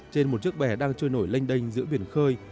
trên một chiếc bè đang trôi nổi lênh đênh giữa biển khơi